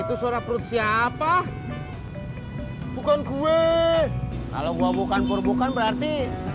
itu suara perut siapa bukan gue kalau gua bukan purbukan berarti